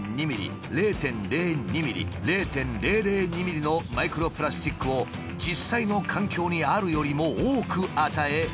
それぞれに０．２ｍｍ０．０２ｍｍ０．００２ｍｍのマイクロプラスチックを実際の環境にあるよりも多く与え